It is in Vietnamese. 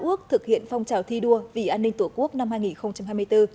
ước thực hiện phong trào thi đua vì an ninh tổ quốc năm hai nghìn hai mươi bốn